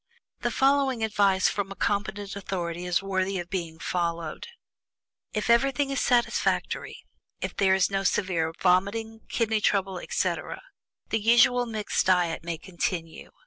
The following general advice from a competent authority is worthy of being followed: "If everything is satisfactory, if there is no severe vomiting, kidney trouble, etc., the usual mixed diet may continue.